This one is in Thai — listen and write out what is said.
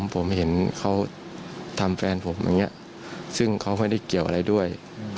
ผมเห็นเขาทำแฟนผมอย่างนี้ซึ่งเขาไม่ได้เกี่ยวอะไรด้วย